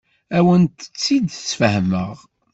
Ad awent-tt-id-sfehmeɣ.